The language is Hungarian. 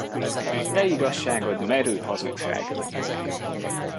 A te igazságod merő hazugság!